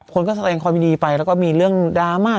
คนก็แสดงความยินดีไปแล้วก็มีเรื่องดราม่า